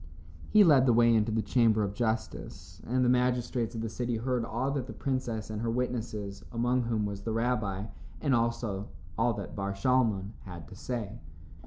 He led the way into the Chamber of Justice, and the magistrates of the city heard all that the princess and her witnesses, among whom was the rabbi, and also all that Bar Shalmon, had to say.